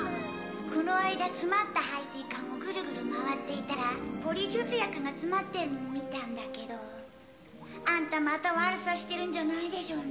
この間詰まった排水管をグルグル回っていたらポリジュース薬が詰まってるのを見たんだけどあんたまた悪さしてるんじゃないでしょうね？